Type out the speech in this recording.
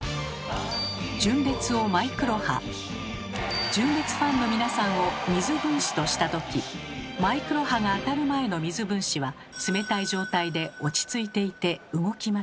純烈を「マイクロ波」純烈ファンの皆さんを「水分子」とした時マイクロ波が当たる前の水分子は冷たい状態で落ち着いていて動きません。